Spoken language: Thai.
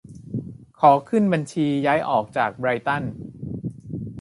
ขอขึ้นบัญชีย้ายออกจาก ไบรท์ตัน